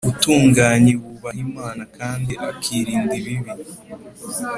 utunganye, wubaha Imana kandi akirinda ibibi?”